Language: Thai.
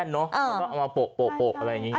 มันก็เอามาโปะอะไรอย่างนี้